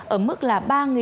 ở mức là ba bốn trăm linh